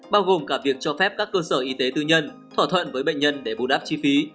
bao gồm cả việc cho phép các cơ sở y tế tư nhân thỏa thuận với bệnh nhân để bù đắp chi phí